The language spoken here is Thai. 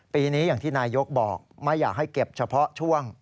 ปีนี้อย่างที่นายยกบอกไม่อยากให้เก็บเฉพาะช่วง